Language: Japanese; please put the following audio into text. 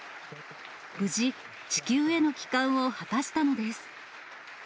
無事、地球への帰還を果たしたのです。